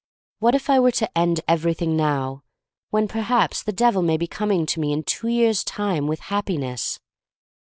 What if I were to end everything now — when perhaps the Devil may be coming to me in two years* time with Happiness?